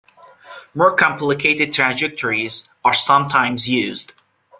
More complicated trajectories are sometimes used.